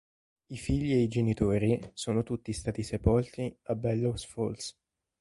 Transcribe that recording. I figli e i genitori sono tutti stati sepolti a Bellows Falls.